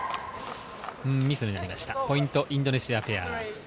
ポイント、インドネシアペア。